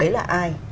đấy là ai